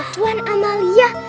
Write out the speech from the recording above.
ah puan amalia